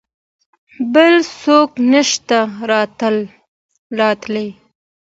بل څوک نه شي راتلای.